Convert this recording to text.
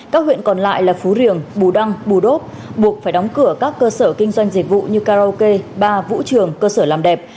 các huyện còn lại là phú riềng bù đăng bù đốp buộc phải đóng cửa các cơ sở kinh doanh dịch vụ như karaoke ba vũ trường cơ sở làm đẹp